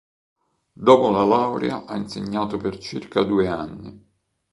Dopo la laurea ha insegnato per circa due anni.